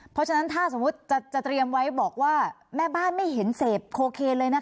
เพราะฉะนั้นถ้าสมมุติจะเตรียมไว้บอกว่าแม่บ้านไม่เห็นเสพโคเคนเลยนะคะ